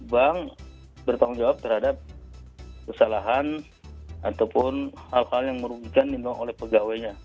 bank bertanggung jawab terhadap kesalahan ataupun hal hal yang merugikan oleh pegawainya